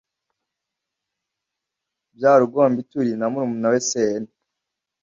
bya Rugombituri na murumuna we Sehene